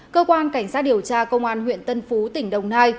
cơ quan cảnh sát điều tra công an huyện tân phú tỉnh đồng nai